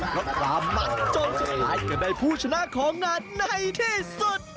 เพราะความมันจนสุดท้ายก็ได้ผู้ชนะของงานในที่สุด